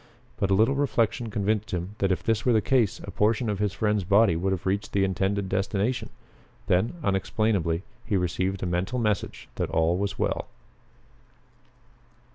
But a little reflection convinced him that if this were the case a portion of his friend's body would have reached the intended destination. Then, unexplainably, he received a mental message that all was well.